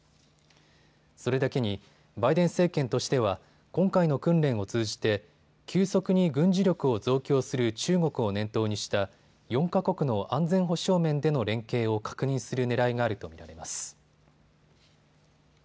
それだけにバイデン政権としては今回の訓練を通じて急速に軍事力を増強する中国を念頭にした４か国の安全保障面での連携を確認するねらいがあると見られます。